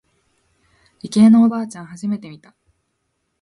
理系のおばあちゃん初めて見た。